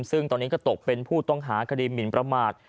ซึ่งตอนนี้ก็ตกเป็นผู้ต้องหาคดีหมินประมาท